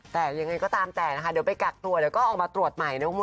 แตะยังไงก็ตามแตะนะคะเดี๋ยวไปกากตรวจก็ออกมาตรวจใหม่